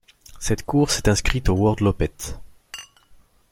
Cette course est inscrite au Worldloppet.